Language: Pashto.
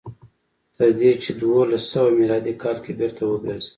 تر دې چې په دولس سوه میلادي کال کې بېرته وګرځي.